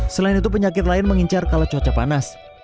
selain itu penyakit lain mengincar kalau cuaca panas